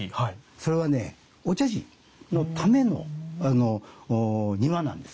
それはねお茶事のための庭なんです。